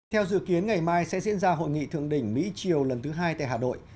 theo dự kiến ngày mai sẽ diễn ra hội nghị thượng đỉnh mỹ triều lần thứ hai tại hà nội